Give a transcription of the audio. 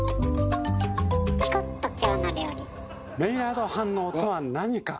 メイラード反応とは何か。